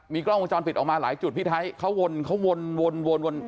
กล้องวงจรปิดออกมาหลายจุดพี่ไทยเขาวนเขาวนวน